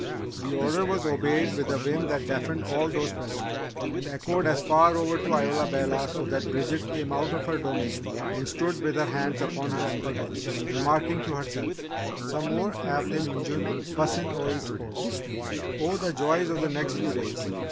The order was obeyed with a vim that deafened all those present, and echoed as far over to Isola Bella so that Bridget came out of her domain and stood with hands upon her ample hips, remarking to herself: "Some more av thim Injun fussin's Oi s'pose." Oh, the joys of the next few days!